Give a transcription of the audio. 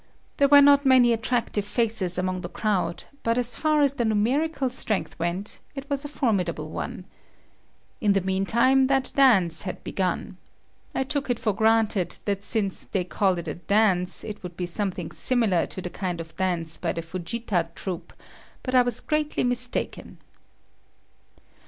There were not many attractive faces among the crowd, but as far as the numerical strength went, it was a formidable one. In the meantime that dance had begun. I took it for granted that since they call it a dance, it would be something similar to the kind of dance by the Fujita troupe, but I was greatly mistaken.